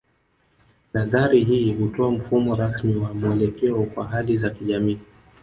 Nadhari hii hutoa mfumo rasmi wa mwelekeo kwa hali za kijamii